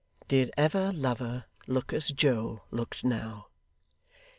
Did ever lover look as Joe looked now!